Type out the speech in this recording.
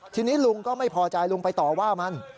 ทีนี้ลุงก็ไม่พอใจลุงไปต่อว่ามัน